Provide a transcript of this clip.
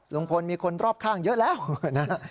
ลุงพลมีคนรอบข้างเยอะแล้วนะฮะ